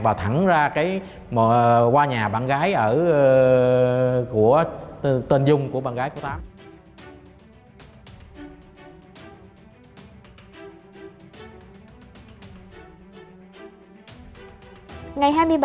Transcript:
và thẳng ra qua nhà bạn gái ở của tên dung của bạn gái của tám